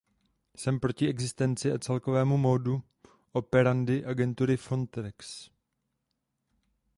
Jsem proti existenci a celkovému modu operandi agentury Frontex.